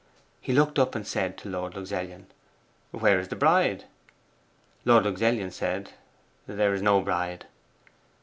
He looked up and said to Lord Luxellian, "Where's the bride?" Lord Luxellian said, "There's no bride."